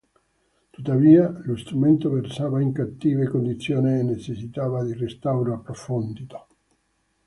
Tuttavia, lo strumento versava in cattive condizioni e necessitava di un restauro approfondito.